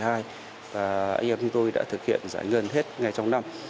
anh em tôi đã thực hiện giải ngân hết ngày trong năm